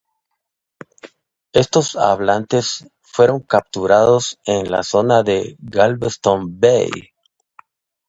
Estos hablantes fueron capturados en la zona de Galveston Bay.